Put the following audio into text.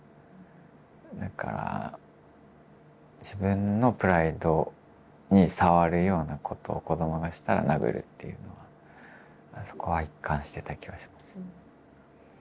だから自分のプライドにさわるようなことを子どもがしたら殴るっていうのはそこは一貫してた気はしますね。